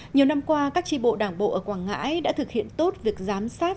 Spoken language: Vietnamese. nhiều năm qua các tri bộ đảng bộ ở quảng ngãi đã thực hiện tốt việc giám sát